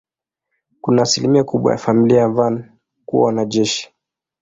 Kuna asilimia kubwa ya familia ya Van kuwa wanajeshi.